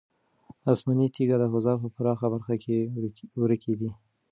آسماني تیږې د فضا په پراخه برخه کې ورکې دي.